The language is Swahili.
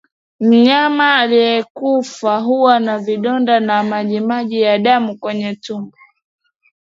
Mnyama aliyekufa huwa na vidonda na majimaji ya damu kwenye tumbo